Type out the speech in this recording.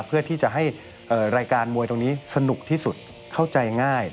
เพื่อที่จะให้รายการมวยตรงนี้สนุกที่สุดเข้าใจง่าย